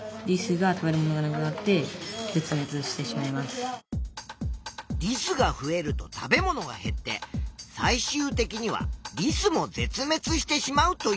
そしてリスが増えると食べ物が減って最終的にはリスも絶滅してしまうという考えだな。